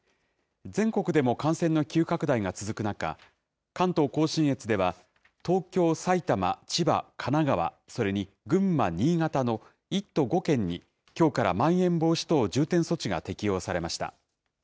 全国でも感染の急拡大が続く中、関東甲信越では、東京、埼玉、千葉、神奈川、それに群馬、新潟の１都５県に、きょうからまん延防止等重点措置が適用されました。